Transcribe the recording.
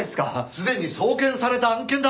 すでに送検された案件だ。